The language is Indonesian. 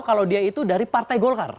kalau dia itu dari partai golkar